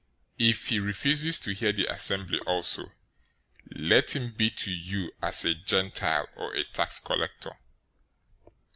If he refuses to hear the assembly also, let him be to you as a Gentile or a tax collector.